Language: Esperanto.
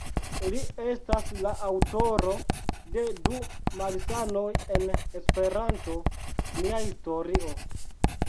Li estas la aŭtoro de "Du Malsanoj en Esperanto", "Nia Historio.